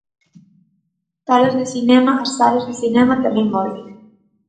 Salas de cinema As salas de cinema tamén volven.